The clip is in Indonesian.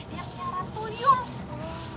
dia nyara tuyul